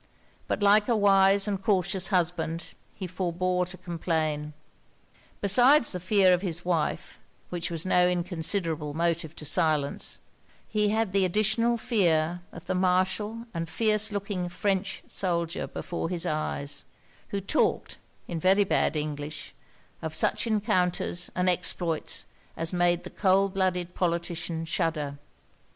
But like a wise and cautious husband, he forebore to complain. Besides the fear of his wife, which was no inconsiderable motive to silence, he had the additional fear of the martial and fierce looking French soldier before his eyes; who talked, in very bad English, of such encounters and exploits as made the cold blooded politician shudder.